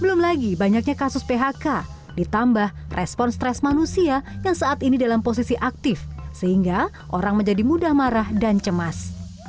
belum lagi banyaknya kasus phk ditambah respon stres manusia yang saat ini dalam posisi aktif sehingga orang menjadi mudah marah dan cemas